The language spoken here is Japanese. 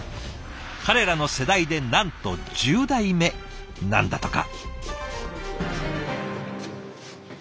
彼らの世代でなんと１０代目なんだとか。